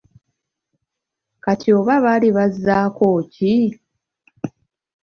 Kati oba baali bazzaako ki?